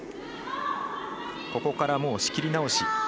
ここからもう仕切り直し。